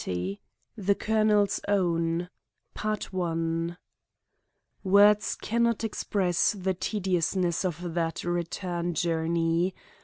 XX. "THE COLONEL'S OWN" Words can not express the tediousness of that return journey.